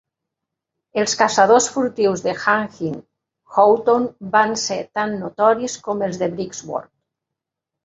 Els caçadors furtius de Hanging Houghton van ser tan notoris com els de Brixworth.